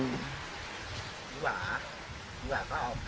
หรือว่าก็เอากลับไปอยู่กับพ่อ